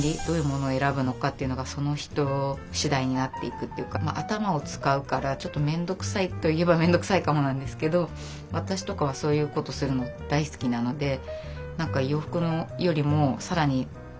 どういうものを選ぶのかっていうのがその人しだいになっていくっていうか頭を使うからちょっと面倒くさいといえば面倒くさいかもなんですけど私とかはそういうことをするの大好きなので。